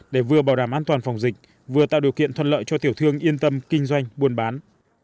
để vừa bảo đảm an toàn phòng dịch vừa tạo điều kiện thuận lợi cho tiểu thương yên tâm kinh doanh buôn bán